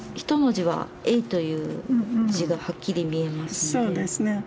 一文字は「永」という字がはっきり見えますね。